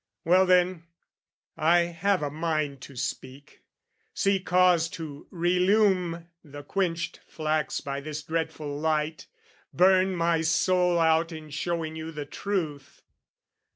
Well then, I have a mind to speak, see cause To relume the quenched flax by this dreadful light, Burn my soul out in showing you the truth.